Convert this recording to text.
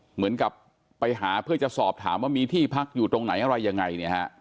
เหมือนกับไปหาเพื่อจะสอบถามว่ามีที่พักอยู่ตรงไหนอะไรยังไงเนี่ยฮะ